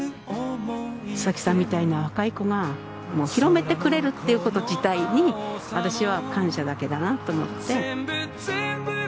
佐々木さんみたいな若い子が広めてくれるっていうこと自体に私は感謝だけだなと思って。